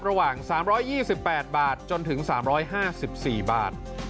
ระหว่าง๓๒๘บาทจนถึง๓๕๔บาท